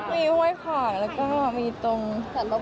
มีห้วยผากแล้วก็มีตรงสัตวภพด้วย